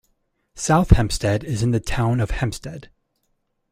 South Hempstead is in the town of Hempstead.